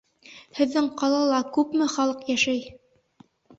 Һеҙҙең ҡалала күпме халыҡ йәшәй?